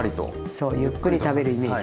そうゆっくり食べるイメージ。